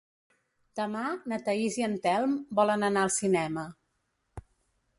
Demà na Thaís i en Telm volen anar al cinema.